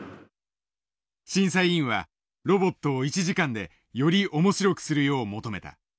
審査委員はロボットを１時間でより面白くするよう求めた。